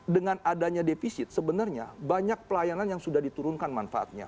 dengan adanya defisit sebenarnya banyak pelayanan yang sudah diturunkan manfaatnya